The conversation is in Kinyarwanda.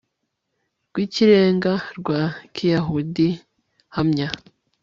rw ikirenga rwa kiyahudi hamya